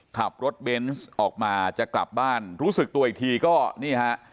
ขับรถเบนส์ออกมาจะกลับบ้านรู้สึกตัวอีกทีก็นี่ฮะ